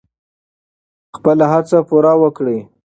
خپله هڅه پوره وکړئ.